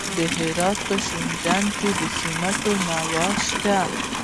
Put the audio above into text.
د هرات په شینډنډ کې د سمنټو مواد شته.